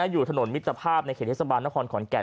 อยู่ถนนมิตรภาพในเขตเทศบาลนครขอนแก่น